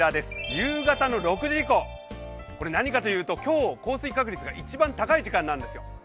夕方６時以降、これ何かというと今日、降水確率が一番、高い時間なんですよ。